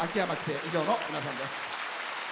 以上の皆さんです。